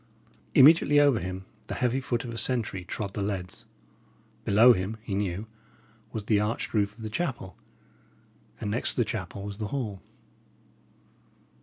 Immediately over him the heavy foot of a sentry trod the leads. Below him, he knew, was the arched roof of the chapel; and next to the chapel was the hall.